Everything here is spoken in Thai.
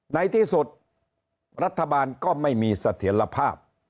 ในที่สุดรัฐบาลก็ไม่มีเสถียรภาพ